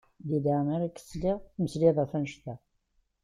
Deg leɛmer i ak-d-sliɣ temmmeslayeḍ-d ɣef wannect-a!